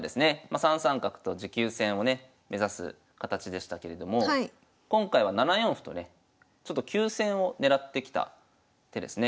３三角と持久戦をね目指す形でしたけれども今回は７四歩とねちょっと急戦を狙ってきた手ですね。